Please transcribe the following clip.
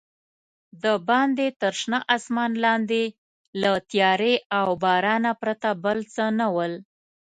دباندې تر شنه اسمان لاندې له تیارې او بارانه پرته بل څه نه ول.